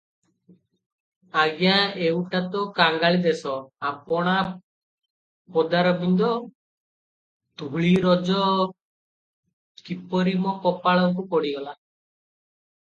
ଅଜ୍ଞା ଏଉଟା ତ କାଙ୍ଗାଳି ଦେଶ, ଆପଣା ପଦାରବିନ୍ଦ ଧୂଳିରଜ କିପରି ମୋ କପାଳକୁ ପଡ଼ିଗଲା ।